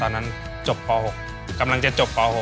ตอนนั้นจบป๖กำลังจะจบป๖